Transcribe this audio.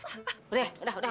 udah udah udah